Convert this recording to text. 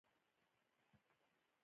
انا د ادب یو ښوونځی ده